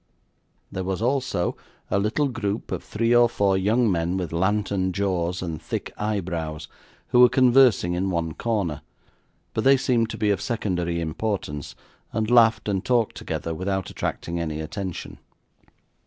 There was, also, a little group of three or four young men with lantern jaws and thick eyebrows, who were conversing in one corner; but they seemed to be of secondary importance, and laughed and talked together without attracting any attention.